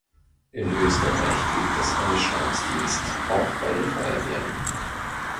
In Österreich gibt einen Stabsdienst auch bei den Feuerwehren.